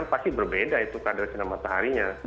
pasti berbeda itu kadar sinar mataharinya